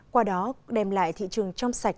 qua đó đem lại thị trường trong sạch